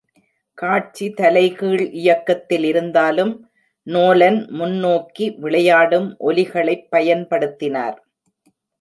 காட்சி தலைகீழ் இயக்கத்தில் இருந்தாலும், நோலன் முன்னோக்கி விளையாடும் ஒலிகளைப் பயன்படுத்தினார்.